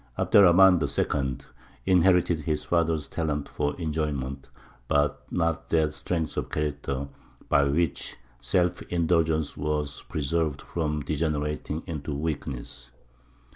Abd er Rahmān II. inherited his father's talent for enjoyment, but not that strength of character by which self indulgence was preserved from degenerating into weakness.